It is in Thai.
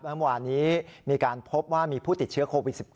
เมื่อวานนี้มีการพบว่ามีผู้ติดเชื้อโควิด๑๙